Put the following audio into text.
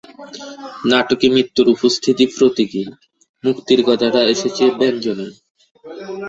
নাটকে মৃত্যুর উপস্থিতি প্রতীকী; মুক্তির কথাটা এসেছে ব্যঞ্জনায়।